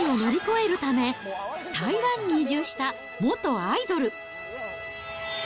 病を乗り越えるため、台湾に移住した元アイドル。